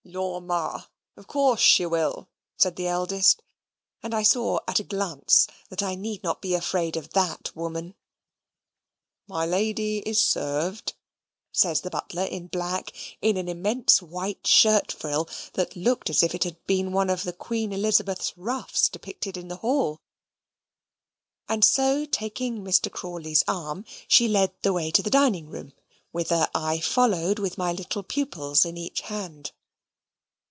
"Law, Ma, of course she will," said the eldest: and I saw at a glance that I need not be afraid of THAT woman. "My lady is served," says the butler in black, in an immense white shirt frill, that looked as if it had been one of the Queen Elizabeth's ruffs depicted in the hall; and so, taking Mr. Crawley's arm, she led the way to the dining room, whither I followed with my little pupils in each hand.